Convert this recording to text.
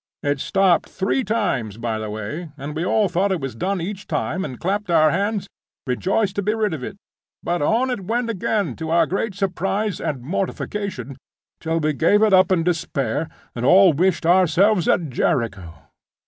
It stopped three times, by the way; and we all thought it was done each time, and clapped our hands, rejoiced to be rid of it. But on it went again, to our great surprise and mortification, till we gave it up in despair, and all wished ourselves at Jericho.